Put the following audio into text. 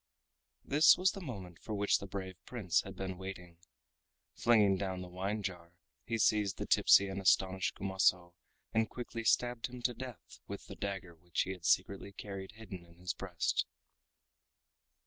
This was the moment for which the brave Prince had been waiting. Flinging down the wine jar, he seized the tipsy and astonished Kumaso and quickly stabbed him to death with the dagger which he had secretly carried hidden in his breast.